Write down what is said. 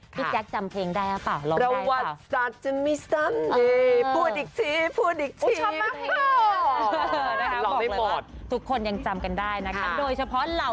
พี่แจ๊กจำเพลงได้หรือเปล่าลองได้หรือเปล่า